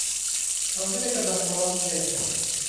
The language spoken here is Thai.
เขาไม่ได้กำลังร้องเพลง